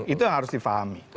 itu yang harus difahami